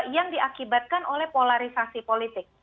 yang diakibatkan oleh polarisasi politik